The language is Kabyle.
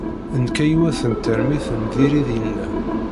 Nekka yiwet n tarmit n diri dinna.